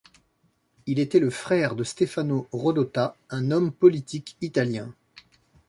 Il était le frère de Stefano Rodotà, un homme politique italien.